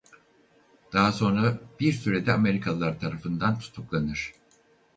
Daha sonra bir süre de Amerikalılar tarafından tutuklanır.